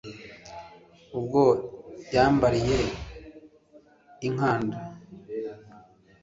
ubwo yambariye i nkand